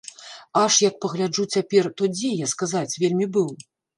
Аж, як пагляджу цяпер, то дзе я, сказаць, вельмі быў?